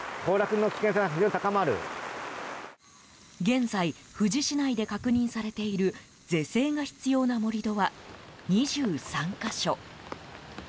現在富士市内で確認されている是正が必要な盛り土は２３か所。